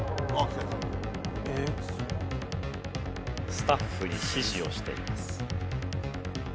スタッフに指示をしています。